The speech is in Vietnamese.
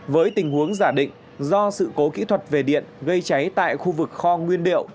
với tình huống giả định do sự cố kỹ thuật về điện gây cháy tại khu vực kho nguyên liệu